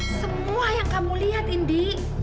semua yang kamu lihat indi